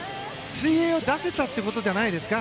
水泳を出せたということじゃないですか。